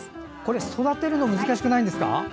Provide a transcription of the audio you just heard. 育てるの難しくないんですか？